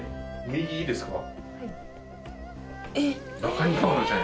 右いいですか？